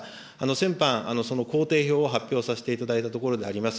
先般、この工程表を発表させていただいたところであります。